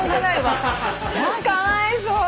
かわいそう。